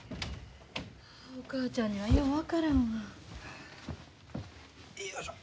お母ちゃんにはよう分からんわ。